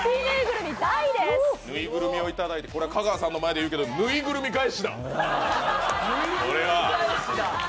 ぬいぐるみをいただいて、香川さんの前で言いますけれどもぬいぐるみ返しだ！